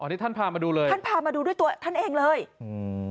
นี่ท่านพามาดูเลยท่านพามาดูด้วยตัวท่านเองเลยอืม